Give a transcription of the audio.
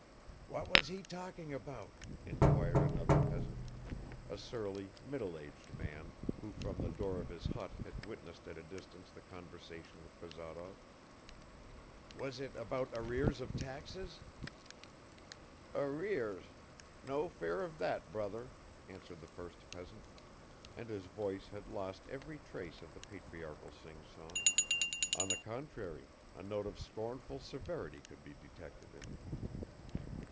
"What was he talking about?" inquired another peasant, a surly middle aged man who from the door of his hut had witnessed at a distance the conversation with Bazarov. "Was it about arrears of taxes?" "Arrears? No fear of that, brother," answered the first peasant, and his voice had lost every trace of the patriarchal sing song; on the contrary, a note of scornful severity could be detected in it.